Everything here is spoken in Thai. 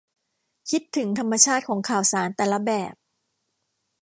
คิดถึงธรรมชาติของข่าวสารแต่ละแบบ